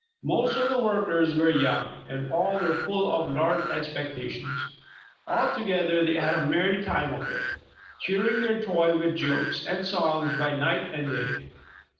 Most of the workers were young, and all were full of large expectations. Altogether they had a merry time of it, cheering their toil with jokes and songs by night and day.